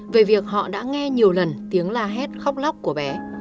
về việc họ đã nghe nhiều lần tiếng la hét khóc lóc của bé